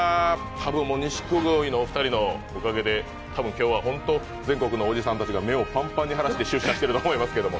多分、錦鯉のお二人のおかげで全国のおじさんたちが目をパンパンに腫らして出かけてると思います。